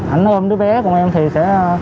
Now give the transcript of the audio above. anh hôn đứa bé của em thì sẽ